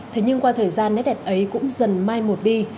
thế nhưng qua thời gian nét đẹp ấy cũng dần mai một đi